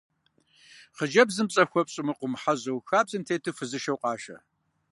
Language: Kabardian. Хъыджэбзым пщӏэ хуэпщӏмэ, къыумыхьэжьэу, хабзэм тету фызышэу къашэ.